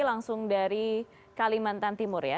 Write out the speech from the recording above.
langsung dari kalimantan timur ya